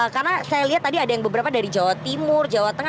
karena saya lihat tadi ada yang beberapa dari jawa timur jawa tengah